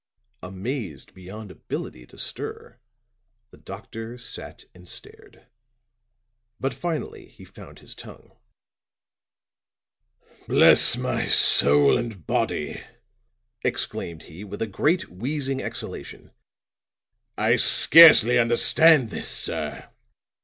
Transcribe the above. Amazed beyond ability to stir, the doctor sat and stared. But finally he found his tongue. "Bless my soul and body," exclaimed he with a great wheezing exhalation. "I scarcely understand this, sir."